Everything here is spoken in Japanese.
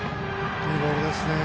いいボールですね。